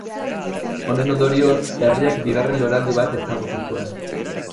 Honen ondorioz herriak bigarren loraldi bat ezagutu zuen.